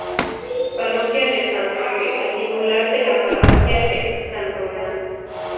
Parroquia de San Roque.El titular de la parroquia es san Román.